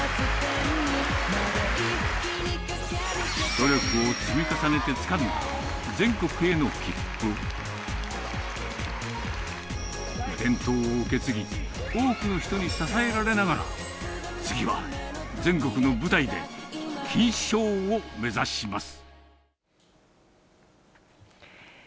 努力を積み重ねてつかんだ全多くの人に支えられながら、次は全国の舞台で金賞を目指します。